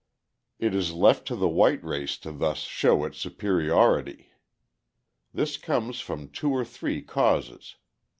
It is left to the white race to thus show its superiority! This comes from two or three causes.